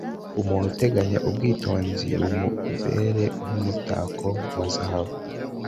umuntu uteganya, ubwitonzi bumubera nk'umutako wa zahabu